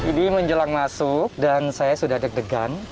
jadi menjelang masuk dan saya sudah deg degan